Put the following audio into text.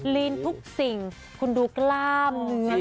ลีนทุกสิ่งคุณดูกล้าม